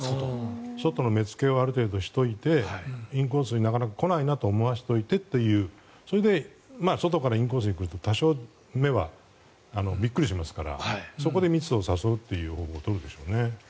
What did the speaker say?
外の目付けをある程度しておいてインコースになかなか来ないなと思わせておいてそれで外からインコースに行くと多少、目はびっくりしますからそこでミスを誘うという方法を取るでしょうね。